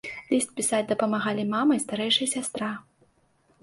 Ліст пісаць дапамагалі мама і старэйшая сястра.